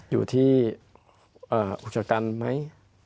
อยู่ที่อุจจักรรมั้ย